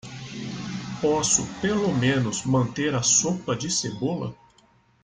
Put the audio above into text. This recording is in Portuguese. Posso pelo menos manter a sopa de cebola?